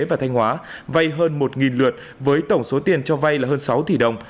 và thanh hóa vay hơn một lượt với tổng số tiền cho vay là hơn sáu tỷ đồng